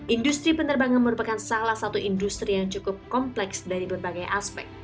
industri penerbangan merupakan salah satu industri yang cukup kompleks dari berbagai aspek